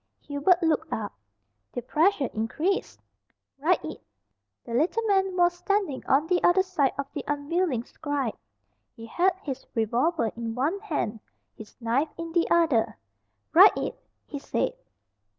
Hubert looked up. The pressure increased. "Write it." The little man was standing on the other side of the unwilling scribe. He had his revolver in one hand, his knife in the other. "Write it!" he said.